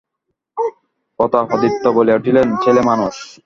প্রতাপাদিত্য বলিয়া উঠিলেন, ছেলেমানুষ!